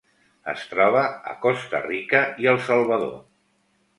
Es troba a Costa Rica i El Salvador.